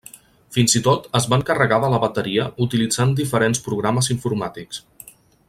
Fins i tot es va encarregar de la bateria utilitzant diferents programes informàtics.